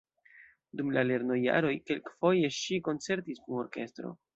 Dum la lernojaroj kelkfoje ŝi koncertis kun orkestro.